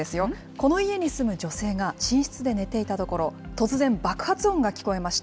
この家に住む女性が寝室で寝ていたところ、突然、爆発音が聞こえました。